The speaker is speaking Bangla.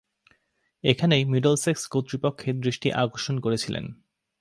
এখানেই মিডলসেক্স কর্তৃপক্ষের দৃষ্টি আকর্ষণ করেছিলেন।